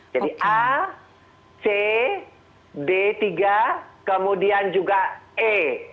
jadi a c d tiga kemudian juga e